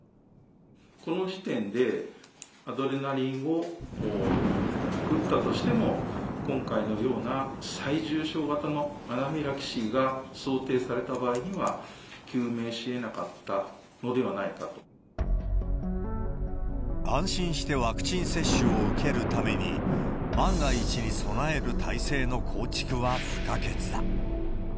この時点で、アドレナリンを打ったとしても、今回のような最重症型のアナフィラキシーが想定された場合には、安心してワクチン接種を受けるために、万が一に備える体制の構築は不可欠だ。